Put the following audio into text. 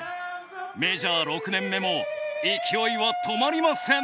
メジャー６年目も勢いは止まりません。